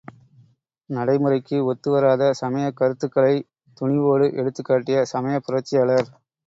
நடைமுறைக்கு ஒத்து வராத சமயக் கருத்துக்களைத் துணிவோடு எடுத்துக்காட்டிய சமயப் புரட்சியாளர்.